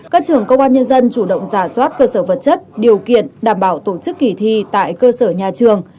các trường công an nhân dân chủ động giả soát cơ sở vật chất điều kiện đảm bảo tổ chức kỳ thi tại cơ sở nhà trường